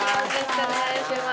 お願いします。